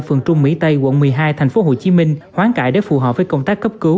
phường trung mỹ tây quận một mươi hai tp hcm hoán cải để phù hợp với công tác cấp cứu